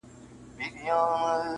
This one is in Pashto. داسي ژوند کي لازمي بولمه مینه,